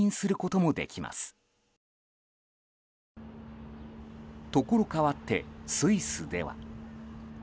ところかわってスイスでは。